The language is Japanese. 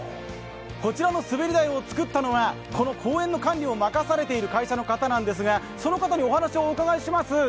こちらの滑り台を造ったのは、この公園の管理を任されている方なんですが、その方にお話をお伺いします。